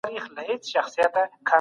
منطق لرونکی ټریډ وکړې